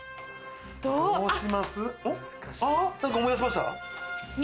どうします？あっ！